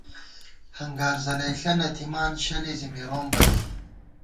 ہنگار ځلَئیݪہ نہ تھِمان، شلے زِی مِروم بہ بی